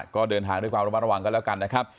ก็เดินทางด้วยความระวังแล้วกันนะครับ